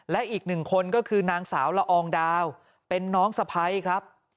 และอีกหนึ่งคนก็คือนางสาวละอองดาวเป็นน้องสะพ้ายครับ